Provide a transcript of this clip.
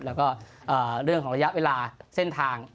แล้วก็เรื่องของระยะเวลาเส้นทาง